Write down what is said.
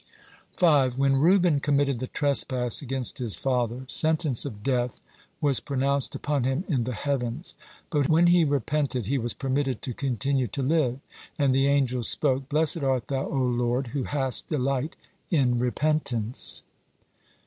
5. When Reuben committed the trespass against his father, sentence of death was pronounced upon him in the heavens. But when he repented, he was permitted to continue to live, and the angels spoke: "Blessed art Thou, O Lord, who hast delight in repentance."